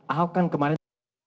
ahok kan kemarin